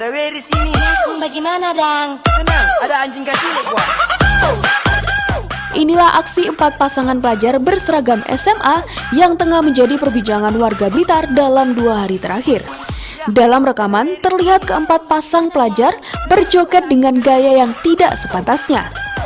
video singkat ini memperlihatkan empat pasangan yang masih berseragam sma bergoyang erotis yang tidak sepantasnya